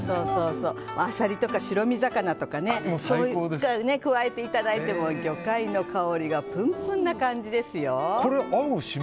アサリとか白身魚とかね加えていただくと魚介の香りがぷんぷんな感じです。